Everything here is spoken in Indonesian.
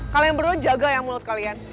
kalian berdua jaga ya mulut kalian